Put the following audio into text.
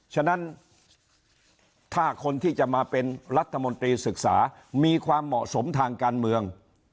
ฉะนั้นถ้าคนที่จะมาเป็นรัฐมนตรีศึกษามีความเหมาะสมทางการเมือง